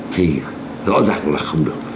thì rõ ràng là không được